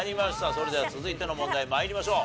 それでは続いての問題参りましょう。